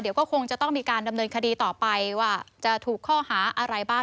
เดี๋ยวก็คงจะต้องมีการดำเนินคดีต่อไปว่าจะถูกข้อหาอะไรบ้าง